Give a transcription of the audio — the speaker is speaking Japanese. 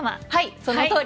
そのとおり。